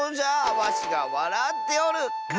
わしがわらっておる！